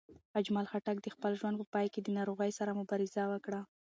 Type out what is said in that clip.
اجمل خټک د خپل ژوند په پای کې د ناروغۍ سره مبارزه وکړه.